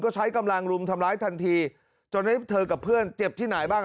ก็ใช้กำลังรุมทำร้ายทันทีจนให้เธอกับเพื่อนเจ็บที่ไหนบ้างอ่ะ